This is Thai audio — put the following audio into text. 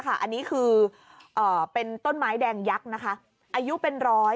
อันนี้คือเป็นต้นไม้แดงยักษ์นะคะอายุเป็นร้อย